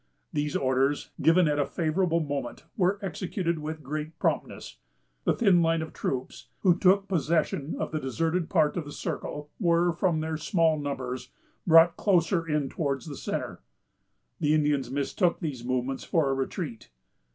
These orders, given at a favorable moment, were executed with great promptness. The thin line of troops who took possession of the deserted part of the circle were, from their small numbers, brought closer in towards the centre. The Indians mistook these movements for a retreat.